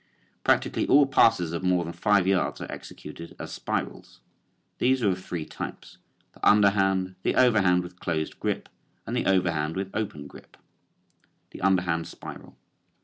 Practically all passes of more than five yards are executed as spirals. These are of three types, the underhand, the overhand with closed grip and the overhand with open grip. THE UNDERHAND SPIRAL.